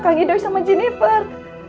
kank indoi sama jennifer